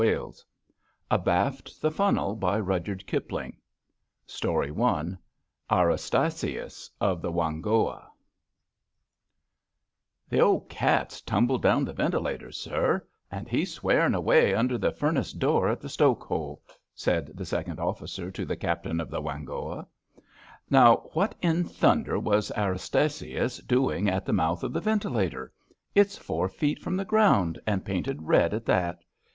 297 Abaft the Funnel Abaft the Funnel ERASTASroS OF THE WHANGHOA "nnHE old cat's tumbled down the ventilator, sir, and he's swearing away nnder the fur nace door in the stoke hole,'* said the second ofl5 cer to the Captain of the Whcmghoa. Now what in thunder was Erastasius doing at the mouth of the ventilator? It's four feet from the ground and painted red at that.